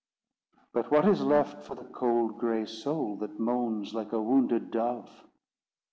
But what is left for the cold gray soul, That moans like a wounded dove?